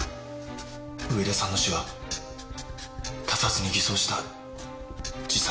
上田さんの死は他殺に偽装した自殺。